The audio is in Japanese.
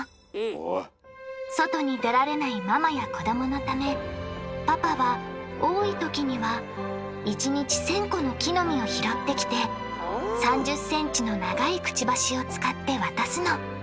外に出られないママや子どものためパパは多いときには１日１，０００個の木の実を拾ってきて３０ｃｍの長いくちばしを使って渡すの。